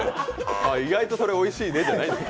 意外とそれおいしいねじゃないんです。